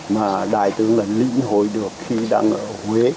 mà đại tướng đã lĩnh hội được khi đang ở huế